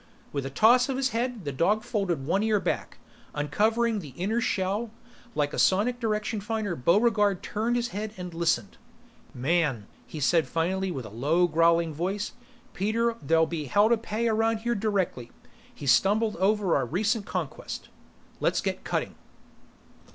With a toss of his head, the dog folded one ear back, uncovering the inner shell. Like a sonic direction finder, Buregarde turned his head and listened. "Man," he said finally with a low growling voice. "Peter, there'll be hell to pay around here directly. He's stumbled over our recent conquest." "Let's get cutting!"